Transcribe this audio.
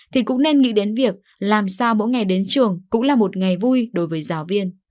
thì cũng nên nghĩ đến việc làm sao mỗi ngày đến trường cũng là một ngày vui đối với giáo viên